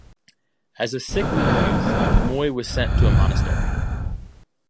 As a sickly youth Moy was sent to a monastery.